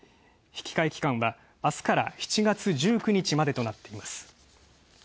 引き換え期間は明日から７月１９日までとなっています。